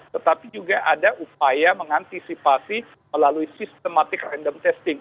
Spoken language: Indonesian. tetapi juga ada upaya mengantisipasi melalui sistematic random testing